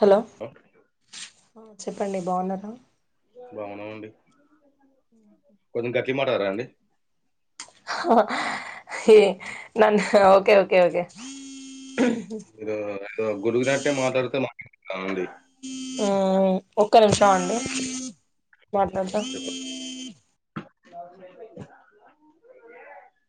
Hello చెప్పండి బాగున్నారా బాగున్నామండి కొంచెం గట్టిమటారా అండి ఎ న్ ఓకే ఓకే ఓకే మీరు ఏదో గునిగినట్టే మాట్లాడితే మాట్లడితే మా రాదండి చమండి మాట్లాడుతా చెప్పండి [inaudible]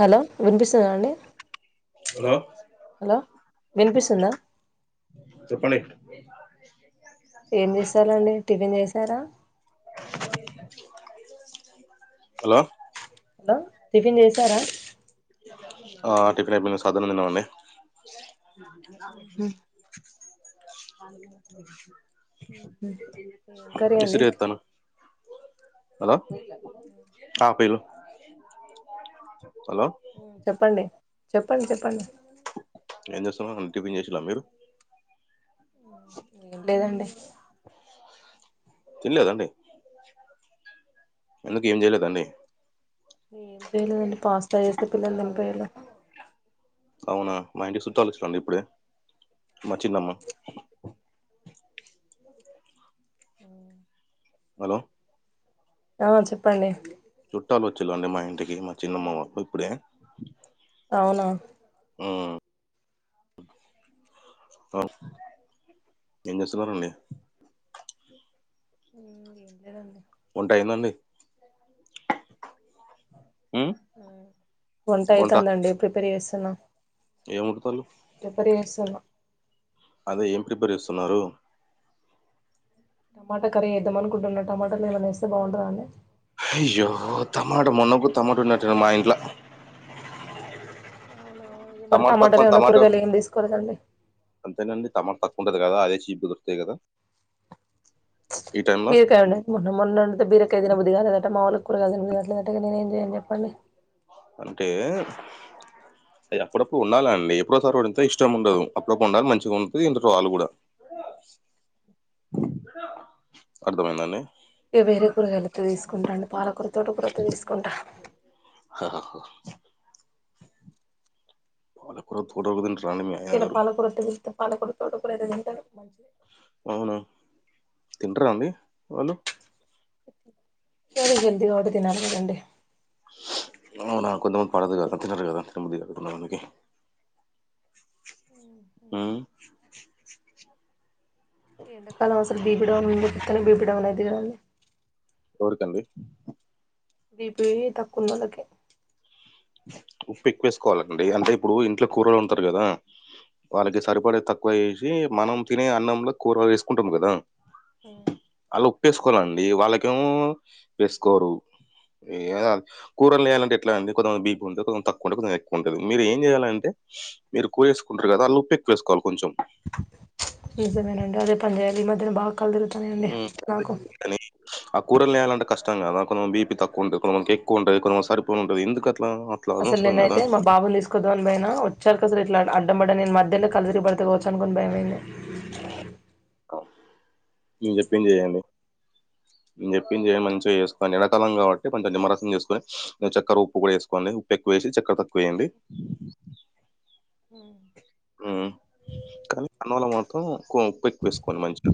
హలో వినిపిస్తుంద అండి హలో హలో వినిపిస్తుందా చెప్పండి టిఫన్ చేసారా హలో టిఫన్ చేసారా ఆ టిఫెన్ అయిపోయింది సద్ది అన్నం తిన్నాం అండి అ ఏం అ కర్రీ అండి ఇసరి ఎత్తను హలో ఆ పిలు హలో చెప్పండి చెప్పండి చెప్పండి ఎం చేస్తున్నావ్ టిఫిన్ చేసిలా మీరు లేదండి తిన్నాలేదా అండి ఎందుకం చేయలేదా అండి ఏం చేయలేదండి పాస్త చేస్తే పిల్లలు దంపయాల అవునా మా ఇంటికి చుట్టాలుచ్చరండి ఇప్పుడే మా చిన్నమ్మా ఆ హలో ఆ చెప్పండి చుట్టాలు వచ్చిలు అండి మా ఇంటికి మా చిన్నమ్మ వాళ్ళు ఇప్పుడే అవునా మ్మ్ ఏం చేస్తున్నారు అండి [inaudible] టైమ్ అండి వంట అవుతుందండి ప్రిపేర్ చేస్తున్నా ఏం వండుతారు ప్రిపేర్ చేస్తున్న అదే ఏం ప్రిపేర్ చేస్తున్నారు టమాటా కర్రీ వేద్దామ అకుంటున్నా టమాటాలు ఏమ వస్తే బాగుంటుంద అండి అయ్యో టమాట మొన్నప్పు తమాటన్న మా ఇంట్లో అవునాక మరి టమాటాలులు ఏమైనా టమాటా కూరగాయలు ఏమి తీసుకోలేదండి అంతేనండి తమట తక్కు ఉంటంది కదా అదే చీప్ గా దోరుకుతాయి కదా ఈ టైంలో బీరకాయి ఉన్నయి మొన్న వండితే బీరకేదిన బుదిగా లేదట మా లు కూరగాదినుదిగాట్లేదటే ఇగ నేను ఏం చేయను చెప్పండి అంటే అది అప్పుడప్పుడు ఉండాల అండి ఎప్పుడో సార్ కూడాడింత ఇష్టం ఉండదు అప్పుడప్పుడు వండాలి మంచిగా వండితే తింటారు వాళ్ళు కూడా అర్థం అయిందా అండి ఇ వేరే కూరగాయలు వస్తే తీసుకుంటాండి పాలకూర తోటకూర వత్తే తీసుకుంటా ఆ వాల కూడా [unintelligible] ఇక్కడ పాలకూరట్టతే పాలకూర తోట కూరదతే తింటాడు అవును తింటార అండి వాళ్ళు [inaudible] అవునా కొంతమంది పడదు కాద తినారు కదా తినమంది కాదు తన్నారు అందుకే హ్మ్ ఎండాకాలం అసలు బీబీడౌన్ వళ పుతనే బీబీడౌన్ అయిది కాదండి ఎవరికండి బిపి తక్కున్నలకి ఉప్పు ఎక్కు వేసుకోవాలండి అంటే ఇప్పుడు ఇంట్లో కూరలు వండుతారు కదా వాళ్ళకి సరిపడే తక్కువ వేసి మనం తినే అన్నంలో కూరలు వేసుకుంటాం కదా ఆ ఒప్పేసుకోవాలండి వాళ్ళకేమో వేసుకోరు ఏ కూరలు గాలంటే ఎట్లా అండి కొంత మందికి బీపి ఉండదు తక్కు ఉంటే కొది ఎక్కువ ఉంటది మీరు ఏంచేయాలంటే మీరు ఉప్పు వేసుకుంటారు కదాళ్ళు ఉప్పు ఎక్కువ వేసుకో కొంచెం నిజమేనండి అదే పని చేయాలి ఈ మధ్యన బాగా కళ్లు తిరుగుతున్నాయండి హ్మ్. నాకు కానీ ఆ కురల్నిలాంట కష్టం కాదా కొన్ బిపి తక్కువ ఉంటది కొందరికి సరిపోను ఉంటది ఎందుకు అట్ అసలు నేనైతే మా బాబులు తీసుకొద్దాం అని పోయిన వచ్చారు అసలు ఇట్లా అడ్డం పడ్డా నేను మధ్యలో కళ్ళు తరిబడుతుకోవచ్చు అనుకోని భయమయింది నేను చెప్పింది చేయండి నేను చెప్పింది చెయ్ మంచిగా వేసుకోని ఎండాకాలం కాబట్టి కొంచం నిమ్మరసం చేసుకొని చక్కర ఉప్పు కూడా వేసుకోండి ఉప్పు ఎక్కువ వేసి చక్క తక్కువ వేయండి ఉ కానీ అన్నంలో మాత్రం కువ ఉప్పు కొన్ మంచిగా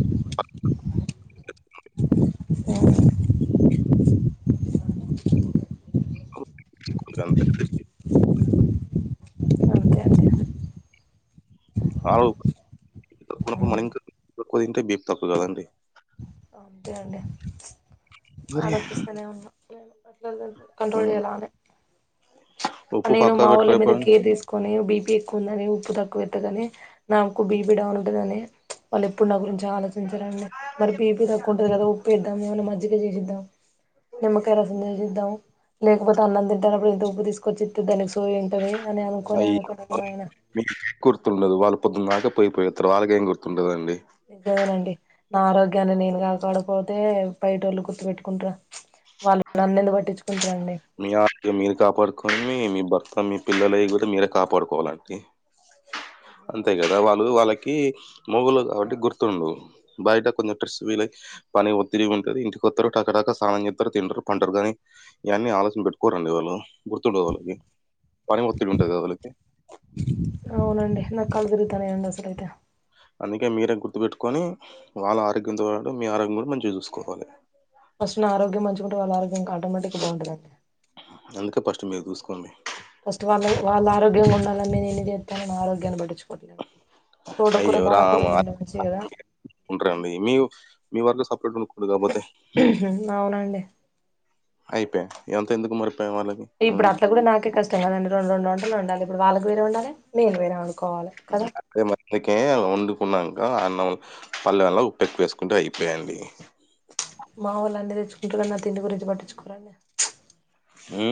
ఇంకంతే అంతే అండి ఆవు మన ఇంకా తక్కువ తింటే బీప్ తక్కువ కదండి అంతే అండి మరి ఆలోచిస్తూనే ఉన్నా అట్ల కంట్రోల్ ఉమ్, చేయాలనే ఉప్పు నేను పక్క మావళ్ళ పెట్టుకుని మీద ఎప్పుడైనా కేర్ తీసుకుని బీపి ఎక్కువ ఉందని ఉప్పు తక్ కువా ఎత్తదని నాకు బీపిడౌన్ ఉంటదిని వాళ్ళు ఎప్పుడు నా గురించి ఆలో డి మరిబీపి తక్కువ ఉంటది కదా ఉప్పేద్దాం ఏమన్నా మజ్జిగ చేసిద్దాం నిమ్మకాయ రసం చేసిద్దామని లేకపోతే అన్నం తింటన్నప్పుడు ఇంత ఉప్పు తీసుకొచ్చిస్తే దానికి సోయ ఏంటవి అయి మీకే గుర్తుండదు వాళ్ళు పొద్దుందాక పోయిపోయత్తరు వాళ్ళకేం గుర్తుంటదండి నిజమేనండి నా ఆరోగ్యాన్ని నేను కాపాడపోతే బైటోళ్ళు గుర్తు పెట్టుకుంటా వాళ్ళు నన్నెందుకు పట్టించు మియార్ మీరు కాపాడుకో కొన్ని మీ భర్త మీ పిల్లలవి కూడా మీరే కాపాడుకోవాలండి అంతే కదా వాళ్ళు వాళ్ళకి కి మగుల్లో కాబట్టి గుర్తుండవు బయట కొంచెం ట్రెస్ వీల్ పని ఒత్తిడి ఉంటది ఇంటి కొత్తరు టకటక స్నానం చేస్తారు తింటరు పంటరు గాని ఇవన్నీ ఆలోచన పెట్టుకోరండి వాళ్ళు గుర్తుండవు వాళ్ళకి పని ఒత్తిడి ఉంటది కదా వాళ్ళకి అవునండి నాకు కళ్ళు తిరుగుతున్నాయి అండి అసలు అయితే అందుకే మీరే గుర్తుపెట్టుకొని వాళ్ళ ఆరోగ్యంతో పాటు మీ ఆరోగ్యం కూడా మంచిగా చూసుకోవాలి ఫస్ట్ నా ఆరోగ్యం మంచుకుంటే వాళ్ళ ఆరోగ్యం ఆటోమేటిక్ బాగుంటదండి అందుకే ఫస్ట్ మీరు చూసుకోండి ఫస్ట్ వాళ్ళవి వాళ్ళ ఆరోగ్యంగా ఉండాలని నేనన్నీ చెత్తను నా ఆరోగ్యాన్ని పటించుకోట్లేదు తోట కూర పాలకూర తింటే మంచిగా ఉంటరండి మీ మీ వరకు సపరేట్ వండుకోదు కాపోతే అవునండి అయిపా ఎంత ఎందుకు మరి పే వాళ్ళకి ఇప్పుడు అనుడు. అట్ల కూడా నాకే కష్టం కదండి రెండు రెండు వంటలు ఉండాలి ఇప్పుడు వాళ్ళకు వేరే వండాలి నేను వేరే వన్ అదే మరి మీకే వండుకున్నంకా అన్ మనం పళ్ల వల ఉప్పెక్కువ వేసుకుంటే అయిపోయా అండి మా వాళ్ళ అన్ని తెచ్చుకుంటున్నారు నా తిండి గురించి పట్టించుకోరండి ఉ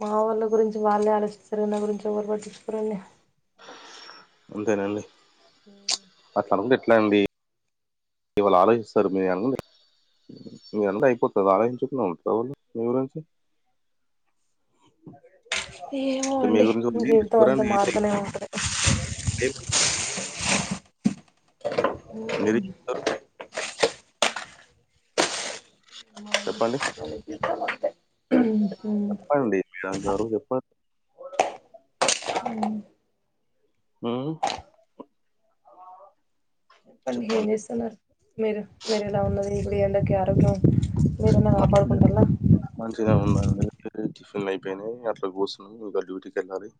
మా వాళ్ళ గురించి వాళ్ళే ఆలోచిస్తారు నా గురించి ఎవ్వరు పట్టించుకోరండి అంతేనండి ఉ తనందు ఎట్లా అండి ఇవాళ ఆలోచిస్తారు మీరు అనండి ఇగ అంత అయిపోతది ఆలోచించుకున్నా ఉంటువ వాళ్ళు మీ గురించి ఏమో అ [inaudible] మీ అండి జీవితం అంతా గురించి మారుతూనే ఉంటది [unintelligible] అ నిరీక్షిస్తారు. [inaudible] బాగుంది చెప్పండి. మనకు జీతాలు వస్తాయ్ చెప్పండి మీరందరు చెప్ప అ [inaudible] ఉమ్ చెప్పండి ఏం చేస్తున్నారు మీరు మీరెలా ఉన్నది ఇప్పుడు ఎండకి ఆరోగ్యం మీరన్నా మంచిగా కాపాడుకుంటాలా మంచిగా ఉందండి టిఫిన్లు అయిపోయినాయి అట్ల కూర్చున్నామ్ ఇంకా డ్యూటీకి వెళ్ళాలి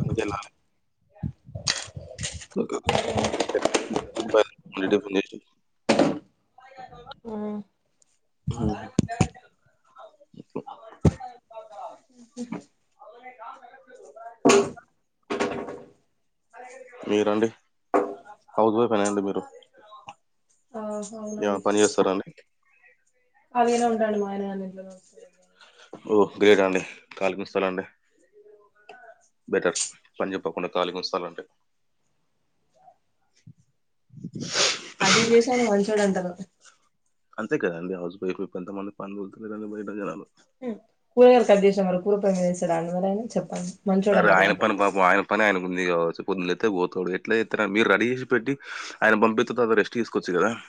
అందుకే యెళ్ళాలి [inaudible] ఆ ఆ [inaudible] [inaudible] మీరండి హౌస్ వైఫ్ హే నా అండి మీరు ఆ ఏమైనా పని జేస్తారా అండి కాలిగానే ఉంటున్నాను [unintelligible] ఓ గ్రేట్ అండి కాలిగుస్తున్నా రండి బెటర్ పని జెప్పకుండా కాలిగా ఉంచుతాడు అంటే [inaudible] అటు ఇటు చేసి ఆయన మంచోడు అంటరు అంతే కాదండి హౌస్ వైఫ్ కొంత మంది పనులకు పోతారు కదా బయట జనాలు ఉమ్ కూరగాయాలు కట్ జేశాం మరి కూర పొయ్యి మీద యేస్తడా ఎవరైనా చెప్పండి మంచోడు సరే అన్నారు ఆయన కదా. పని పాపం ఆయన పని ఆయన కుంది గావచ్చు పొద్దున లేత్తే పోతోడు ఎట్ల జేత్తరండి మీరు రెడీ జేసి పెట్టి ఆయన పంపితే తరవాత రెస్ట్ తీసుకోవచ్చు గదా [inaudible]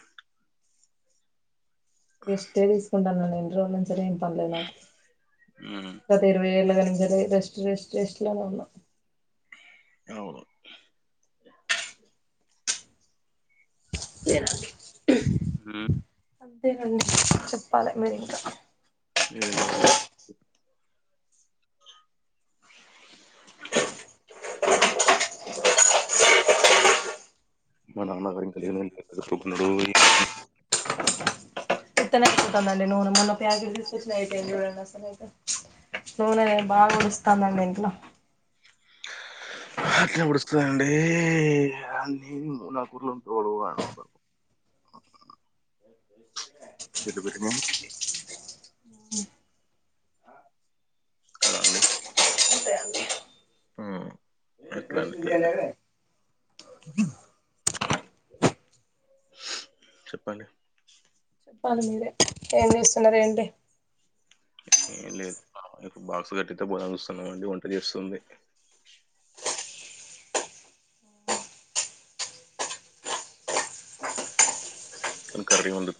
రెస్టే తీసుకుంటాను నేను ఎన్ని రోజులంచి ఏం పనిలేదు నాకు ఉమ్. గత ఇరవై ఏళ్ళగా నుంచెల్లి రెస్ట్ రెస్ట్ లోనే ఉన్నాం అవును ఏ [inaudible] ఉమ్ అంతేనండి చెప్పాలి మీరే ఇంకా ఏం లేదు అండి మా నాన్న [unintelligible] ఉతన్నే అయిపోతుందండి నూనె మొన్నా ప్యాకెట్ తీసుకొచ్చిన అయిపోయింది జిడ్డి అసలు నూనె బాగా ఒడుస్తాదండి ఇంట్లో అట్లే ఒడుస్తందండి నేను నా కూర్లో [unintelligible] ఉంటడు అ ఓ [inaudible] [unintelligible] కదా అండి ఉమ్ ఎట్లాండి ఇట్లైతే చెప్పండి చెప్పాలి మీరే ఏం జేస్తున్నారు ఏంటి ఏం లేదు బా బాక్స్ గట్టిస్తే పోదాం అని జూస్తున్నా అండి వంట జేస్తుంది [inaudible] తను కర్రీ వండు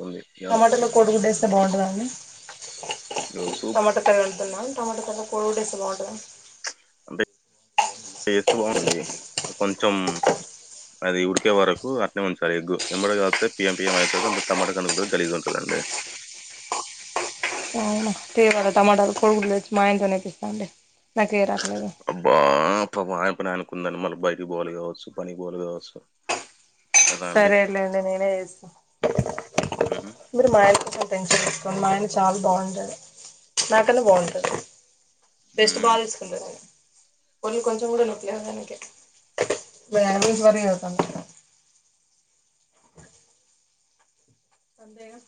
టమాటాలో కొడిగుడ్డేస్తే బాగుంటుదా అండి సూప్ టమాటాకాయ వండుతున్నా టమాట దాంట్లా కోడిగుడ్డు ఇస్తే బాగుంటాదా అంటే ఎస్తూ బాగుండంది కొంచెం అది ఉడికే వరకు అనే ఉంచాలి ఎగ్గు ఎంమటేకలిపితే పిఎం పిఎం అవుతుంది అంత టమాట కనుకు గలీజు గా ఉంటుందండి ఆ మాయనతోనేపిస్తాండి అబ్బా పాపం కుందాని మళ్ళీ బయటకి పోవాలి కావచ్చు పనికి పోవాలి కావచ్చు కదా అండి? సరేలేండి నేనే చేస్తా హ్మ్. మీరి మా టెన్షన్ అమా ఆయన చాలా బాగుండుతాడు నాకన్నా బాగుంటది బెస్ట్ హ్మ్. బాగా తీసుకుంది కొళ్ళ కొంచం కూడా కూడా నొకులేక [unintelligible] అంతేగా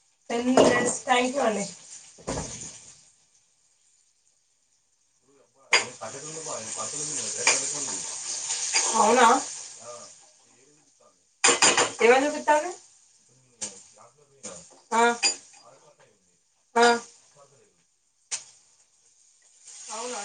[unintelligible] [unintelligible] అవునా ఏమని చెప్పాలి ఆ ఆ అవును